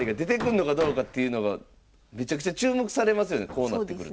こうなってくると。